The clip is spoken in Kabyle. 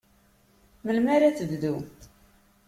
Melmi ara tebdu?